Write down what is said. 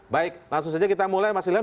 baik langsung saja kita mulai mas william